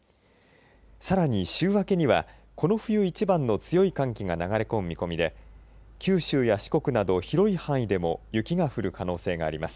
さらに週明けにはこの冬一番の強い寒気が流れ込む見込みで九州や四国など広い範囲でも雪が降る可能性があります。